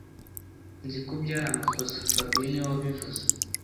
Nzi ko byari amakosa fabien niwe wabivuze